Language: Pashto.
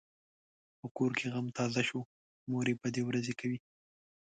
په کور کې غم تازه شو؛ مور یې بدې ورځې کوي.